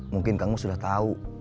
mungkin kang mus sudah tahu